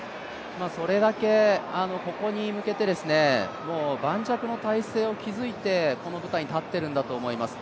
それだけここに向けて盤石の体制を築いてこの舞台に立ってるんだと思います。